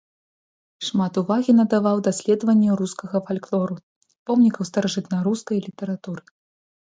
Шмат увагі надаваў даследаванню рускага фальклору, помнікаў старажытнарускай літаратуры.